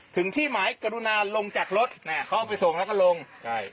ที่หมายกรุณาลงจากรถน่ะเขาเอาไปส่งแล้วก็ลงใช่